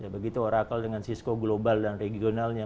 begitu oracle dengan sisko global dan regionalnya